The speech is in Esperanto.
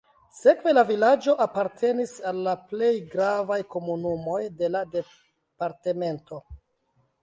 Sekve la vilaĝo apartenis al la plej gravaj komunumoj de la departemento.